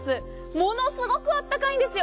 ものすごくあったかいんですよ。